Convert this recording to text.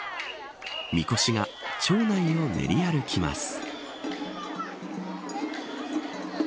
みこしが町内を練り歩きます。